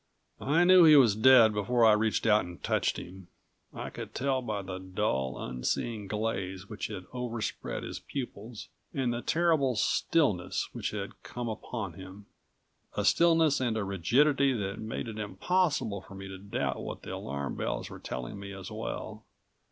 I knew he was dead before I reached out and touched him. I could tell by the dull, unseeing glaze which had over spread his pupils and the terrible stillness which had come upon him. A stillness and a rigidity that made it impossible for me to doubt what the alarm bells were telling me as well.